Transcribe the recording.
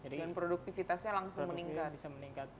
dan produktivitasnya langsung meningkat